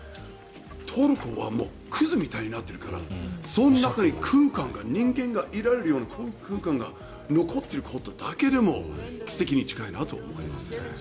トルコはくずみたいになっているからその中に空間が人間がいられるような空間が残ってることだけでも奇跡に近いなと思います。